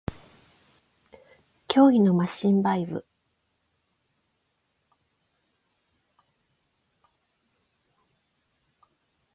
脅威のマシンバイブ